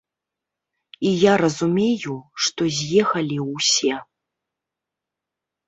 І я разумею, што з'ехалі ўсе.